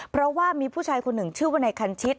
เพราะว่ามีผู้ชายคนหนึ่งชื่อว่าในคันชิด